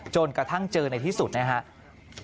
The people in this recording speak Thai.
จนกระทั่งเจอในที่สุดนะครับ